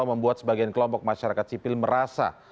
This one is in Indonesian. membuat sebagian kelompok masyarakat sipil merasa